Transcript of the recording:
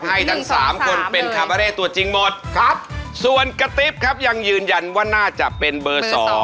ให้ทั้งสามคนเป็นคาเบอร์เร่ตัวจริงหมดครับส่วนกระติ๊บครับยังยืนยันว่าน่าจะเป็นเบอร์๒